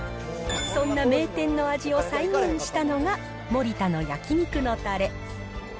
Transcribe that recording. そんな名店の味を再現したのが、盛田の焼肉のたれ。